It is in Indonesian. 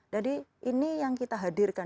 jadi ini yang kita hadirkan